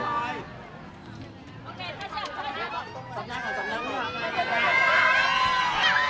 มันเป็นปัญหาจัดการอะไรครับ